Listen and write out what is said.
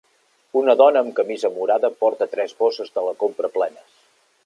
Una dona amb camisa morada porta tres bosses de la compra plenes.